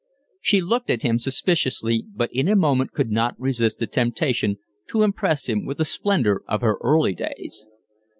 She looked at him suspiciously, but in a moment could not resist the temptation to impress him with the splendour of her early days.